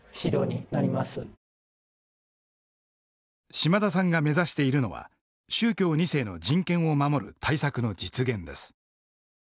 島田さんが目指しているのは宗教２世の人権を守る対策の実現です。